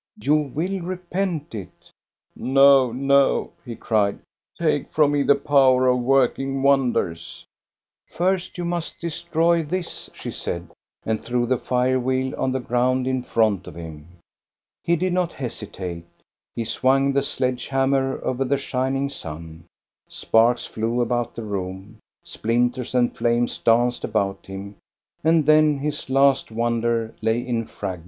You will repent it." " No, no !" he cried ;" take from me the power of working wonders !" "First, you must destroy this," she said, and threw the fire wheel on the ground in front of him. He did not hesitate. He swung the sledge hammer over the shining sun ; sparks flew about the room, splinters and flames danced about him, and then his last wonder lay in fragments.